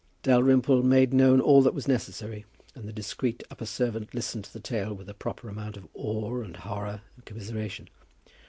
Dalrymple made known all that was necessary, and the discreet upper servant listened to the tale with a proper amount of awe and horror and commiseration.